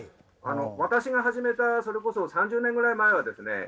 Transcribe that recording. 私が始めたそれこそ３０年ぐらい前はですね